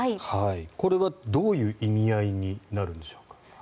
これはどういう意味合いになるんでしょうか？